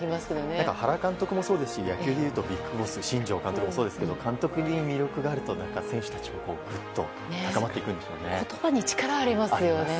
原監督もそうですし野球でいうとビッグボス新庄監督もそうですし監督に魅力があると選手たちもぐっと高まっていくんですよね。